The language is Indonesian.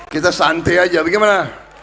kita santai aja bagaimana